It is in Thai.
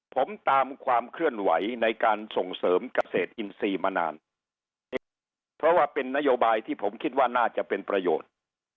ผมตามความเคลื่อนไหวในการส่งเสริมเกษตรอินทรีย์มานานเพราะว่าเป็นนโยบายที่ผมคิดว่าน่าจะเป็นประโยชน์